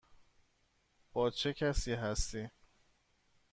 با چه کسی هستی؟